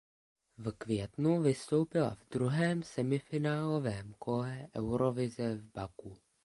V květnu vystoupila v druhém semifinálovém kole Eurovize v Baku.